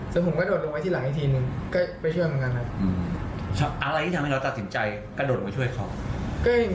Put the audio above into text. ส่วนผมก็โดดลงไปที่หลังอีกทีหนึ่ง